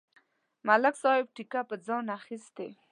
ملک صاحب ټېکه په ځان اخستې.